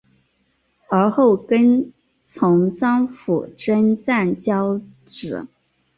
此后跟从张辅征战交址。